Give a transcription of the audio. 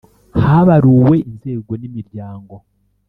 Habaruwe inzego n’ imiryango .